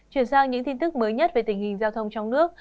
chuyển sang những tin tức mới nhất về tình hình giao thông trong nước